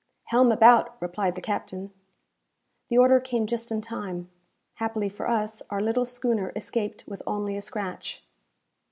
"Helm about!" replied the captain. The order came just in time. Happily for us, our little schooner escaped with only a scratch.